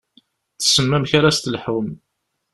Tessnem amek ara s-telḥum.